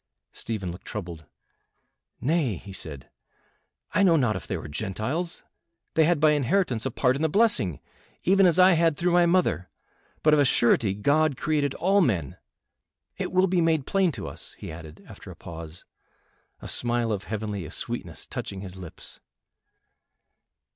Stephen looked troubled. "Nay," he said, "I know not if they were Gentiles, they had by inheritance a part in the blessing, even as I had through my mother; but of a surety God created all men. It will be made plain to us," he added, after a pause, a smile of heavenly sweetness touching his lips.